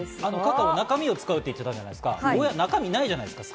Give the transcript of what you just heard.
カカオの中身を使うって言ってるじゃないですか。